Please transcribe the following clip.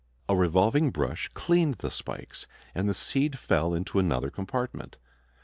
A revolving brush cleaned the spikes, and the seed fell into another compartment.